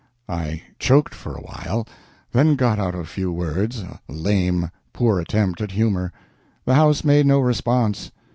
I choked for a while, then got out a few words, a lame, poor attempt at humor. The house made no response.